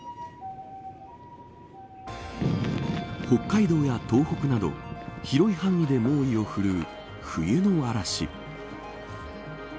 北海道や東北など広い範囲で猛威を振るう冬の嵐。